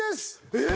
えっ！